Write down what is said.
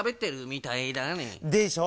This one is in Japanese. でしょ。